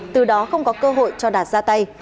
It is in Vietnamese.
từ đó không có cơ hội cho đạt ra tay